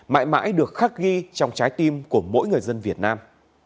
mãi mãi được khắc ghi trong trái tim của mỗi người dân việt nam